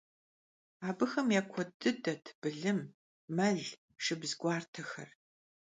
Abıxem ya kuedt bılım, mel, şşıbz guartexer.